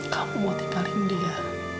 kamu mau tiparin dia